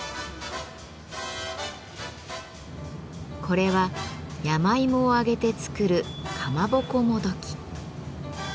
これは山芋を揚げて作るカマボコもどき。